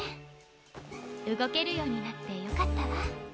うごけるようになってよかったわ。